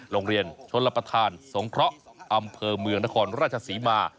โรงเรียนชนรับประทานสงเคราะห์อำเภอเมืองนครราชศรีมา